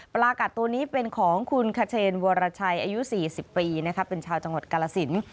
ปลากัดตัวนี้เป็นของคุณเขนวรชัยอายุ๔๐ปีเป็นชาวจังหวัดกาลสิน